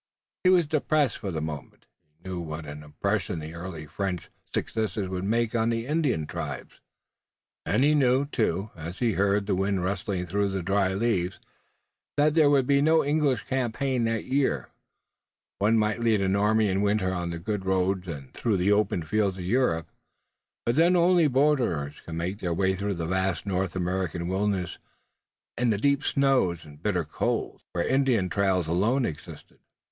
He was depressed for the moment. He knew what an impression the early French successes would make on the Indian tribes, and he knew, too, as he heard the wind rustling through the dry leaves, that there would be no English campaign that year. One might lead an army in winter on the good roads and through the open fields of Europe, but then only borderers could make way through the vast North American wilderness in the deep snows and bitter cold, where Indian trails alone existed.